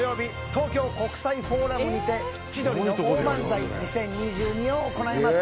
東京国際フォーラムにて「千鳥の大漫才２０２２」を行います。